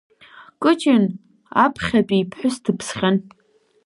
Кыҷын аԥхьатәи иԥҳәыс дыԥсхьан.